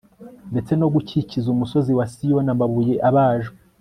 ndetse no gukikiza umusozi wa siyoni amabuye abajwe